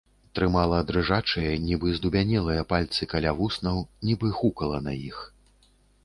Трымала дрыжачыя, нібы здубянелыя пальцы каля вуснаў, нібы хукала на іх.